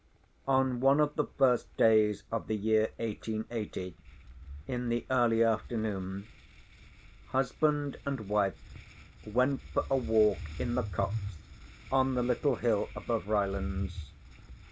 On one of the first days of the year 1880, in the early afternoon, husband and wife went for a walk in the copse on the little hill above Rylands.